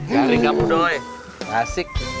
garing kamu doi asik